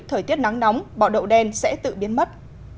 thời tiết nắng nóng bọ đậu đen sẽ tự biến mất